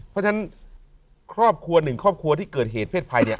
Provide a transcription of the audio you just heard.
เพราะฉะนั้นครอบครัวหนึ่งครอบครัวที่เกิดเหตุเพศภัยเนี่ย